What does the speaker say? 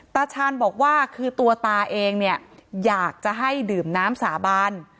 ตาชาญบอกว่าคือตัวตาเองเนี่ยอยากจะให้ดื่มน้ำสาบาน